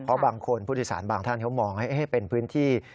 เพราะบางคนผู้โดยสารบางท่านเขามองเป็นพื้นที่